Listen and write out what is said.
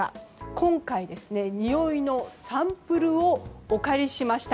今回、においのサンプルをお借りしました。